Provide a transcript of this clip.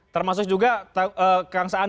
termasuk juga kang saan